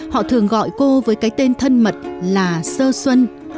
họ thường gọi cô với cái tên thân mật là sơ xuân